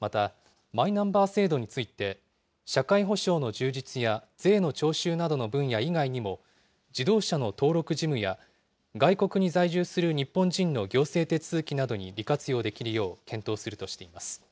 またマイナンバー制度について、社会保障の充実や税の徴収などの分野以外にも、自動車の登録事務や、外国に在住する日本人の行政手続きなどに利活用できるよう、検討するとしています。